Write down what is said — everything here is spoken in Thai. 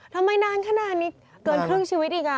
นานขนาดนี้เกินครึ่งชีวิตอีก